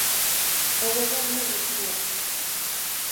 O Goberno recúa.